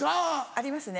ありますね。